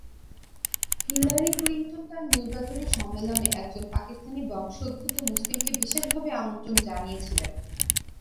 Hillary Clinton তাঁর নির্বাচনী সম্মেলনে একজন পাকিস্তানি বংশোদ্ভূত মুসলিমকে বিশেষভাবে আমন্ত্রণ জানিয়েছিলেন।